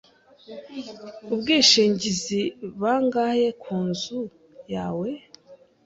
Ubwishingizi bangahe ku nzu yawe?